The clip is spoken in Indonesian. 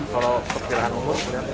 kalau kepercayaan umur